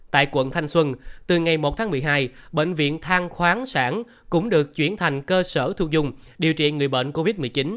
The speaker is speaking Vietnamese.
tại quận thanh xuân từ ngày một tháng một mươi hai bệnh viện thang khoáng sản cũng được chuyển thành cơ sở thu dung điều trị người bệnh covid một mươi chín